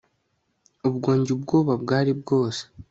ubwo njye ubwoba bwari bwose